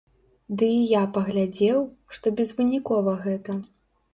Ды і я паглядзеў, што безвынікова гэта.